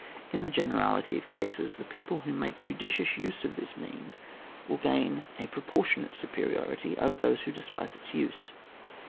In the generality of cases, the people who make judicious use of this means, will gain a proportionate superiority over those who despise its use.